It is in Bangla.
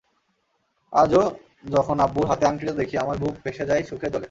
আজও যখন আব্বুর হাতে আংটিটা দেখি, আমার বুক ভেসে যায় সুখের জলে।